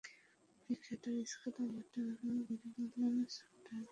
Richter স্কেলে মাত্রা আরও বেড়ে গেল স্টুয়ার্ট ব্রডের করা পরের ওভারে।